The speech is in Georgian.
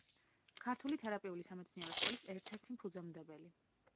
ქართული თერაპიული სამეცნიერო სკოლის ერთ-ერთი ფუძემდებელი.